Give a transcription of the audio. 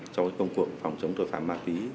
cho công cuộc phòng chống tội phạm ma túy